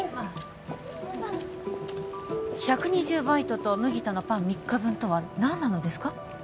バイトと麦田のパン３日分とは何なのですか？